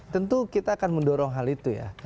tentu kita akan mendorong hal itu ya